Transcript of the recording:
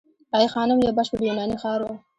ای خانم یو بشپړ یوناني ښار و